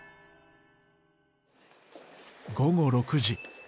午後６時。